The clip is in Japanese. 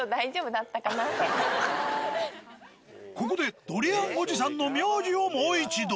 ここでドリアンおじさんの妙技をもう一度。